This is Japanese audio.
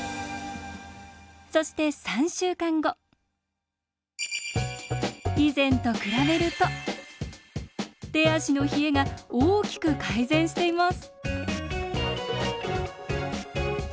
そして以前と比べると手足の冷えが大きく改善しています。